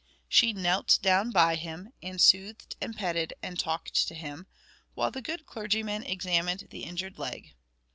She knelt down by him, and soothed and petted and talked to him, while the good clergyman examined the injured leg.